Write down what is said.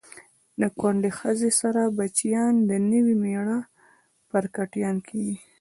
د کونډی خځی سره بچیان د نوي میړه پارکټیان کیږي